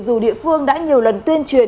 dù địa phương đã nhiều lần tuyên truyền